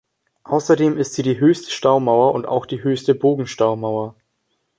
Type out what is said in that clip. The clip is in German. Außerdem ist sie die höchste Staumauer und auch die höchste Bogenstaumauer.